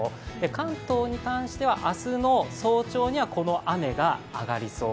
関東に関しては明日の早朝にはこの雨が上がりそう。